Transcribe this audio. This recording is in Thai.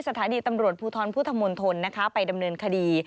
สถานีตำรวจภูทรพุทธมนตรไปดำเนินคดี